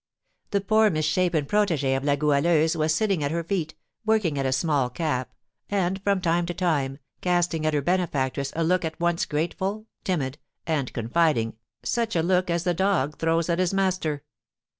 The poor misshapen protégée of La Goualeuse was sitting at her feet, working at a small cap, and, from time to time, casting at her benefactress a look at once grateful, timid, and confiding, such a look as a dog throws at his master.